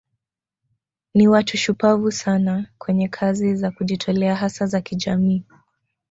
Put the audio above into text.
Ni watu shupavu sana kwenye kazi za kujitolea hasa za kijamii